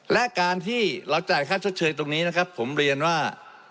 และการที่เราจ่ายค่าชดเชยตรงนี้นะครับผมเรียนว่า